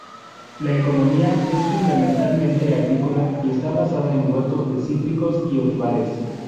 La economía es fundamentalmente agrícola y está basada en huertos de cítricos y olivares.